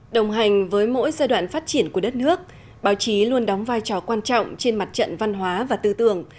đồng hành với mỗi giai đoạn phát triển của đất nước báo chí luôn đóng vai trò quan trọng trên mặt trận văn hóa và tư tưởng